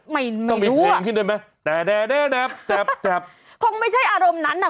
ไม่ไม่รู้อ่ะต้องมีเพลงขึ้นด้วยไหมแจบแจบคงไม่ใช่อารมณ์นั้นอ่ะ